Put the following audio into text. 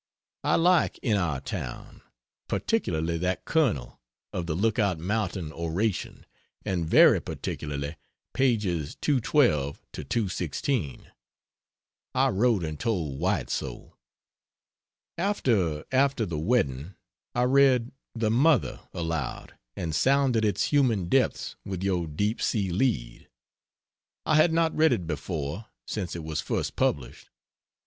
I like "In Our Town," particularly that Colonel, of the Lookout Mountain Oration, and very particularly pages 212 16. I wrote and told White so. After "After the Wedding" I read "The Mother" aloud and sounded its human deeps with your deep sea lead. I had not read it before, since it was first published.